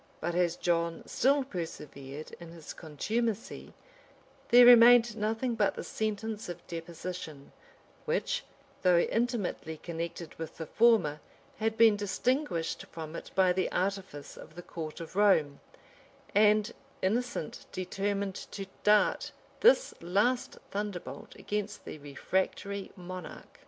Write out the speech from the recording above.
But as John still persevered in his contumacy, there remained nothing but the sentence of deposition; which, though intimately connected with the former had been distinguished from it by the artifice of the court of Rome; and Innocent determined to dart this last thunderbolt against the refractory monarch.